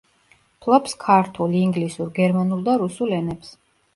ფლობს ქართულ, ინგლისურ, გერმანულ და რუსულ ენებს.